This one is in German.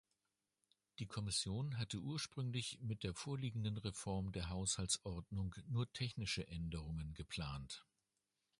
Die Kommission hatte ursprünglich mit der vorliegenden Reform der Haushaltsordnung nur technische Änderungen geplant.